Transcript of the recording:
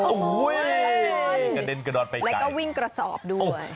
โอ้โหเรี่ยวแรงสุดยอดเลยแต่ละคนและก็วิ่งกระสอบด้วย